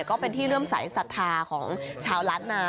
ก็เป็นที่เริ่มสายศรัทธาของชาวล้านนา